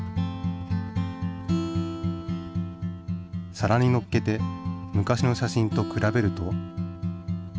皿にのっけて昔の写真とくらべると。